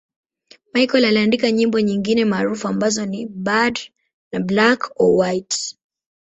Michael aliandika nyimbo nyingine maarufu ambazo ni 'Bad' na 'Black or White'.